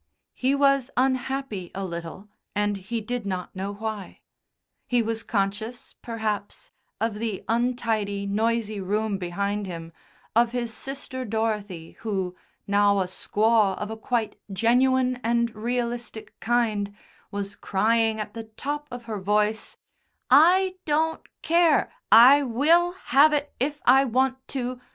He was unhappy a little, and he did not know why: he was conscious, perhaps, of the untidy, noisy room behind him, of his sister Dorothy who, now a Squaw of a quite genuine and realistic kind, was crying at the top of her voice: "I don't care. I will have it if I want to.